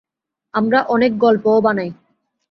আমরা অনেক গল্পও বানাই।